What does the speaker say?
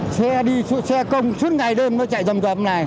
xe đi xe công suốt ngày đêm nó chạy dòng dòm này